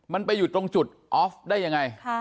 มันไปอยู่ตรงจุดออฟได้ยังไง